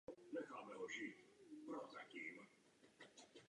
Název byl převzat právě od zaniklého původního sídla.